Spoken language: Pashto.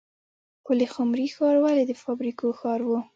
پلخمري ښار ولې د فابریکو ښار و؟